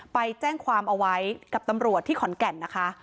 ไปแจ้งความเอาไว้กับตำรวจที่ขอนแก่นนะคะ